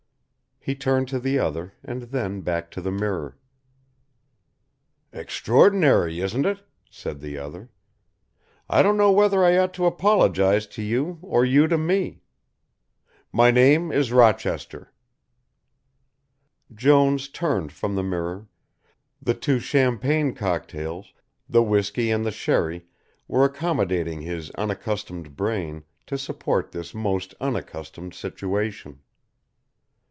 He turned to the other and then back to the mirror. "Extraordinary, isn't it?" said the other. "I don't know whether I ought to apologise to you or you to me. My name is Rochester." Jones turned from the mirror, the two champagne cocktails, the whisky and the sherry were accommodating his unaccustomed brain to support this most unaccustomed situation.